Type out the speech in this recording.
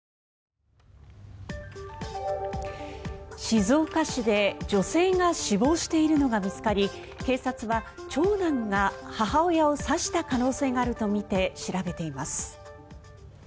静岡市で女性が死亡しているのが見つかり警察は長男が母親を刺した可能性があるとみて調べています。